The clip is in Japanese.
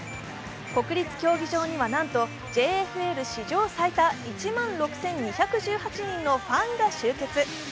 国立競技場にはなんとＪＦＬ史上最多１万６２１８人のファンが集結。